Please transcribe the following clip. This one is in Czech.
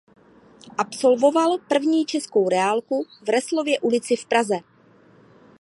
Absolvoval první českou reálku v Resslově ulici v Praze.